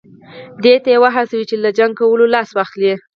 دې ته یې وهڅوي چې له جنګ کولو لاس واخلي.